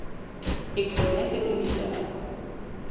Ik sit lekker yn myn fel.